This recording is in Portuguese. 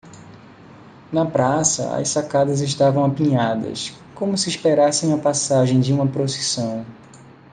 Na praça, as sacadas estavam apinhadas, como se esperassem a passagem de uma procissão.